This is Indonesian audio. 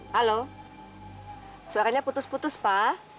halo suaranya putus putus pak